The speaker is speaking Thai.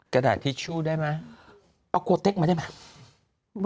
กระดาษทิชชู่ได้ไหมเอาโกเต็กมาได้ไหม